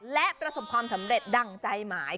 และประสบความสำเร็จดั่งใจหมาย